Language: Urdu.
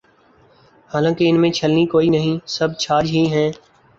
حالانکہ ان میں چھلنی کوئی نہیں، سب چھاج ہی ہیں۔